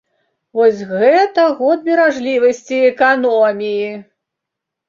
Вось гэта год беражлівасці і эканоміі!